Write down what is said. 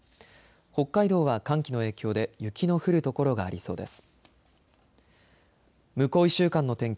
北海道は寒気の影響で雪の降る所がありそうです。